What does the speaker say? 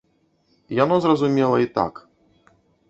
Яно зразумела і так.